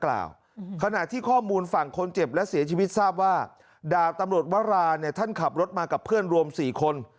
ขณะที่ข้อมูลฝั่งคนเจ็บและเสียชีวิตทราบว่าดาบตำรวจวราเนี่ยท่านขับรถมากับเพื่อนรวม๔คน